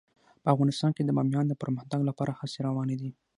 په افغانستان کې د بامیان د پرمختګ لپاره هڅې روانې دي.